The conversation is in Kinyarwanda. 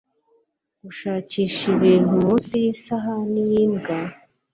gushakisha ibintu munsi yisahani yimbwa